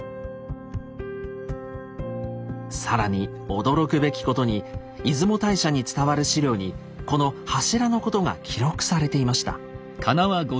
更に驚くべきことに出雲大社に伝わる史料にこの柱のことが記録されていました。